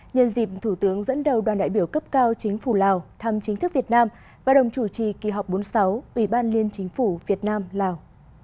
nhân dịp thủ tướng dẫn đầu đoàn đại biểu cấp cao chính phủ lào thăm chính thức việt nam và đồng chủ trì kỳ họp bốn mươi sáu ủy ban liên chính phủ việt nam lào